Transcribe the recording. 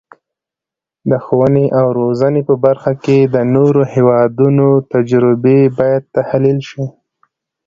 د ښوونې او روزنې په برخه کې د نورو هیوادونو تجربې باید تحلیل شي.